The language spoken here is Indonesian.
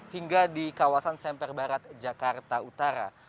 hingga di kawasan semper barat jakarta utara